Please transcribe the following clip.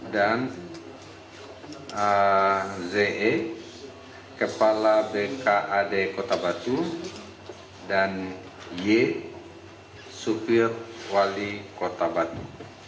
dan ze kepala bkad kota batu dan y supir wali kota batu